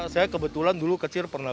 saya kebetulan dulu kecil pernah